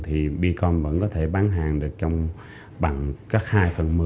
thì becom vẫn có thể bán hàng được trong bằng các hai phần một mươi